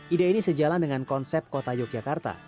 ide ini sejalan dengan konsep kota yogyakarta